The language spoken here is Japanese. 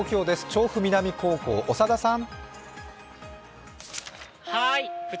調布南高校、長田さん。